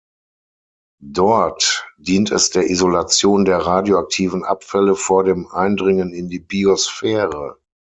Dort dient es der Isolation der radioaktiven Abfälle vor dem Eindringen in die Biosphäre.